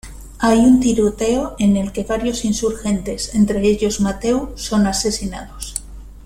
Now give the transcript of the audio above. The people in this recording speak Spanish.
Hay un tiroteo en el que varios insurgentes, entre ellos Matheu, son asesinados.